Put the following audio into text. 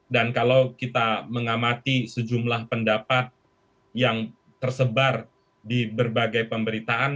dan kalau kita mengamati sejumlah pendapat yang tersebar di berbagai pemberitaan